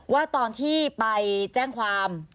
ว่าตอนที่ไปแจ้งความ